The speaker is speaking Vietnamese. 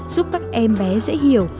giúp các em bé dễ hiểu